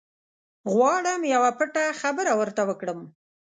غواړم یوه پټه خبره ورته وکړم.